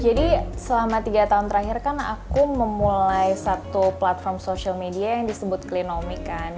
jadi selama tiga tahun terakhir kan aku memulai satu platform social media yang disebut klinomik kan